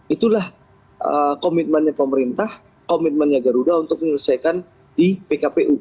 itulah komitmennya pemerintah komitmennya garuda untuk menyelesaikan di pkpu